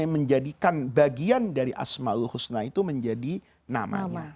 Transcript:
menjadikan bagian dari asma'ul husna itu menjadi namanya